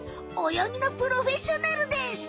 泳ぎのプロフェッショナルです。